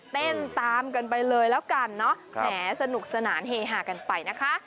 เต้นตามกันไปเลยแล้วกันเนอะแหมสนุกสนานเฮฮากันไปนะคะ